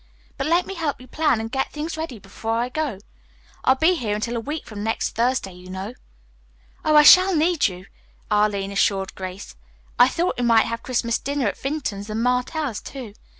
But let me help you plan and get things ready before I go. I'll be here until a week from next Thursday, you know." "Oh, I shall need you," Arline assured Grace. "I thought we might have Christmas dinner at Vinton's and Martell's, too.